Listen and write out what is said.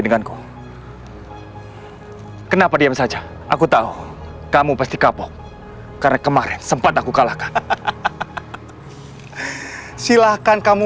denganku kenapa diam saja aku tahu kamu pasti kapok karena kemarin sempat aku kalahkan silahkan kamu